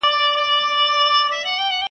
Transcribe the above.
شپې له اوښکو سره رغړي ورځي وړي د عمر خښتي .